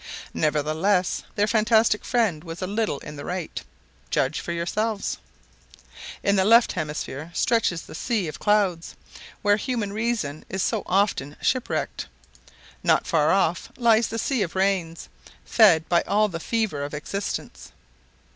Nevertheless, their fantastic friend was a little in the right. Judge for yourselves. In the left hemisphere stretches the "Sea of Clouds," where human reason is so often shipwrecked. Not far off lies the "Sea of Rains," fed by all the fever of existence.